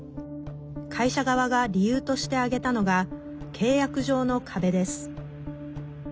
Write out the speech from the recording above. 会社側が理由として挙げたのが契約上の壁です。